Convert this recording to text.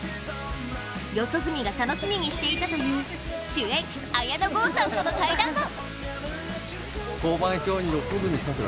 四十住が楽しみにしていたという主演・綾野剛さんとの対談も。